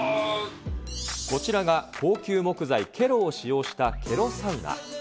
こちらが高級木材、ケロを使用したケロサウナ。